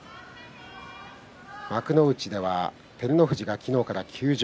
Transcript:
幕内では照ノ富士が昨日から休場。